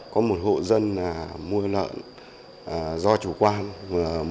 có một hộ dân mua lợn con từ địa phương khác mà không qua kiểm dịch